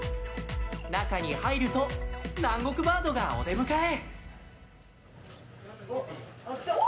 中に入ると、南国バードがお出迎え。